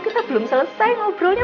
kita belum selesai ngobrolnya